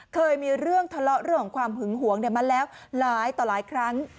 เคยมีเรื่องทะเลาะเรื่องของความหึงหวงมาแล้วหลายต่อหลายครั้ง